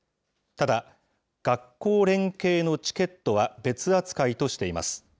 ただ、学校連携のチケットは別扱いとしています。